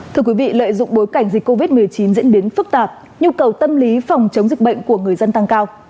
thưa quý vị lợi dụng bối cảnh dịch covid một mươi chín diễn biến phức tạp nhu cầu tâm lý phòng chống dịch bệnh của người dân tăng cao